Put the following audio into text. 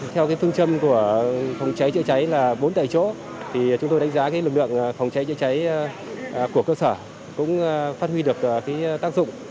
theo phương châm của phòng cháy chữa cháy là bốn tại chỗ chúng tôi đánh giá lực lượng phòng cháy chữa cháy của cơ sở cũng phát huy được tác dụng